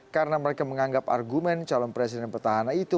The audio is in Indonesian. karena mereka menganggap argumen calon presiden pertahanan itu